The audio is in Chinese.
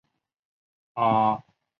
阿戈讷地区普雷特。